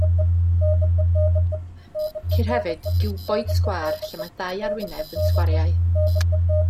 Ceir hefyd giwboid sgwâr, lle mae dau arwyneb yn sgwariau.